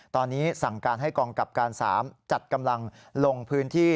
ตอนนี้สั่งการให้กองกับการ๓จัดกำลังลงพื้นที่